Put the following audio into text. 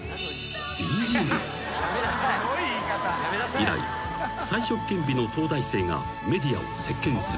［以来才色兼備の東大生がメディアを席巻する］